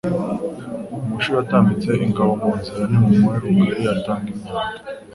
Umushi watambitse ingabo mu nzira Nimumuhe rugari atange imyato,